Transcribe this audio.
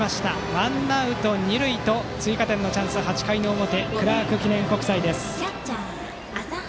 ワンアウト、二塁と追加点のチャンス、８回の表クラーク記念国際です。